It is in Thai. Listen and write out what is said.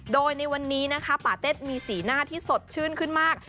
โดยในวันนี้นะคะปาเต็ดมีสีหน้าที่สดชื่นขึ้นมาก